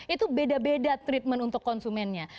itu beda beda treatment untuk konsumennya